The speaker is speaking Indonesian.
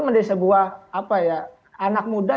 menjadi sebuah apa ya anak muda